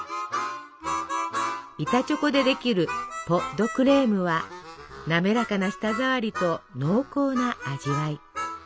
板チョコでできるポ・ド・クレームは滑らかな舌ざわりと濃厚な味わい。